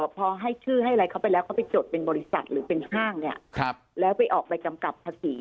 พอให้ชื่อให้อะไรเขาไปแล้วเขาไปจดเป็นบริษัทหรือเป็นห้างเนี่ยแล้วไปออกใบกำกับภาษี